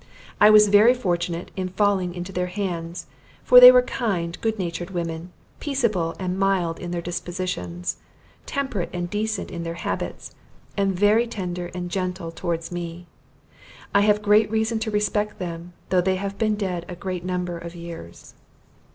I was very fortunate in falling into their hands; for they were kind good natured women; peaceable and mild in their dispositions; temperate and decent in their habits, and very tender and gentle towards me. I have great reason to respect them, though they have been dead a great number of years.